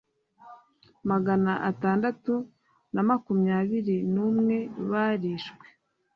magana atandatu na makumyabiri n umwe bari shwe